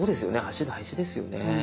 足大事ですよね。